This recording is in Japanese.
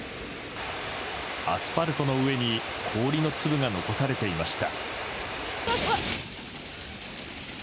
アスファルトの上に氷の粒が残されていました。